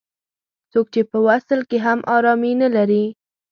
څوک چې په وصل کې هم ارامي نه لري.